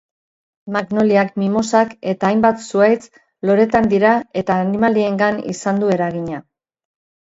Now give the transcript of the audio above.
Magnoliak, mimosak eta hainbat zuhaitz loretan dira eta animaliengan izan du eragina.